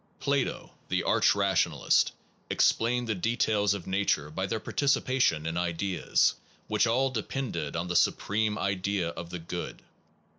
Plato, the arch rationalist, explained the details of nature by their participation in ideas, which all de pended on the supreme idea of the "good.